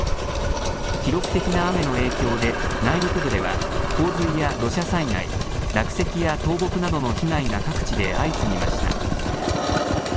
記録的な雨の影響で内陸部では洪水や土砂災害、落石や倒木などの被害が各地で相次ぎました。